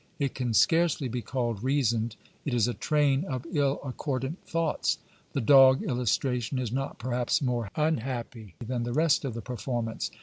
It can scarcely be called reasoned ; it is a train of ill accordant thoughts. The dog illustration is not perhaps more unhappy than the rest of the performance.